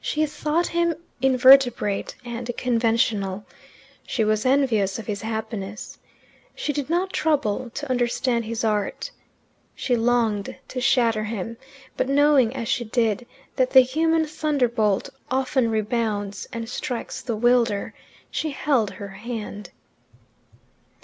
She thought him invertebrate and conventional. She was envious of his happiness. She did not trouble to understand his art. She longed to shatter him, but knowing as she did that the human thunderbolt often rebounds and strikes the wielder, she held her hand.